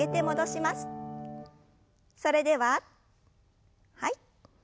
それでははい。